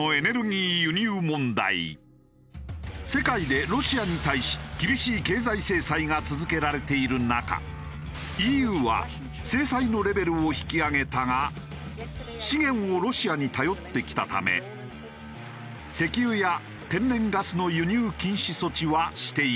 世界でロシアに対し厳しい経済制裁が続けられている中ＥＵは制裁のレベルを引き上げたが資源をロシアに頼ってきたため石油や天然ガスの輸入禁止措置はしていない。